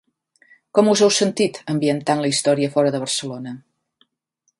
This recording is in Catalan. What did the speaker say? Com us heu sentit ambientant la història fora de Barcelona?